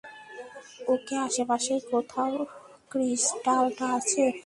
ওকে, আশেপাশেই কোথাও ক্রিস্টালটা আছে।